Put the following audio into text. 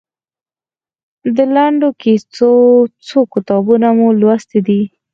د لنډو کیسو څو کتابونه مو لوستي دي؟